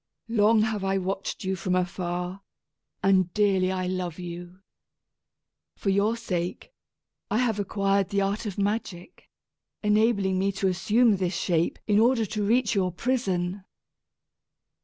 Long have I watched you from afar, and dearly I love you. For your sake, I have acquired the art of magic, enabling me to assume this shape in order to reach your prison."